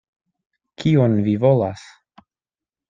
Kion vi volas?